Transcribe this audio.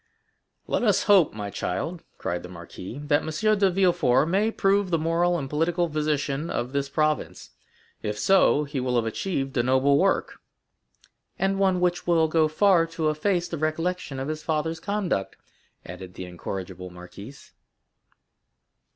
"Let us hope, my child," cried the marquis, "that M. de Villefort may prove the moral and political physician of this province; if so, he will have achieved a noble work." "And one which will go far to efface the recollection of his father's conduct," added the incorrigible marquise.